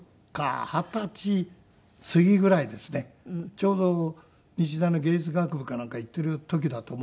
ちょうど日大の芸術学部かなんか行っている時だと思うんですよ。